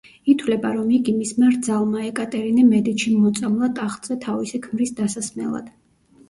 ითვლება, რომ იგი მისმა რძალმა, ეკატერინე მედიჩიმ მოწამლა ტახტზე თავისი ქმრის დასასმელად.